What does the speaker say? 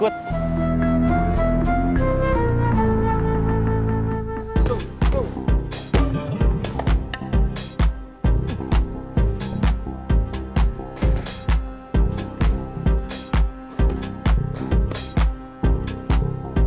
kita akan latihan gerakan gerakan dasar tinju